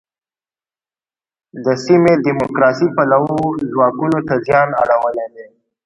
د سیمې دیموکراسي پلوو ځواکونو ته زیان اړولی دی.